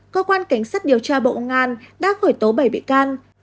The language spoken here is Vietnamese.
cơ quan cánh sát điều tra bộ công an đã khởi tố bảy biện can